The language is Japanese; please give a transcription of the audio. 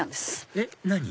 えっ何？